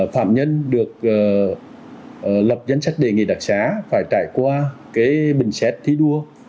phạm nhân được lập dân sách đề nghị đặc sá phải trải qua bình xét thí đua